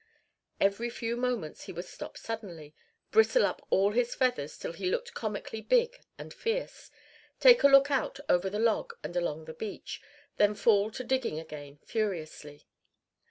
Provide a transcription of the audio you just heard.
Every few moments he would stop suddenly, bristle up all his feathers till he looked comically big and fierce, take a look out over the log and along the beach, then fall to digging again furiously.